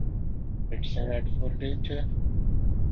It’s a red for danger.